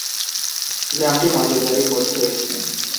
গ্রামটি নজরদারির মধ্যে রয়েছে।